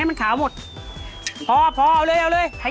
พอเอาเลยเขย่า